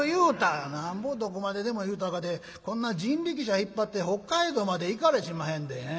「なんぼどこまででも言うたかてこんな人力車引っ張って北海道まで行かれしまへんで。